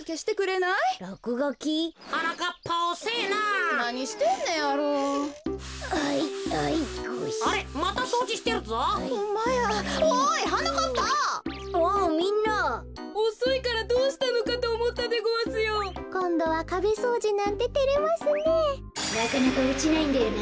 なかなかおちないんだよな。